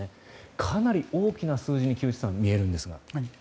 かなり大きな数字に木内さん、見えるんですが。